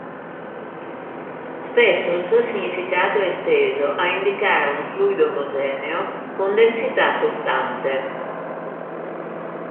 Spesso il suo significato è esteso a indicare un fluido omogeneo con densità costante.